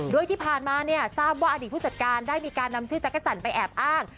โดยที่ผ่านมาเนี่ยทราบว่าอดีตผู้จัดการได้มีการนำชื่อจักรจันทร์ไปแอบอ้าง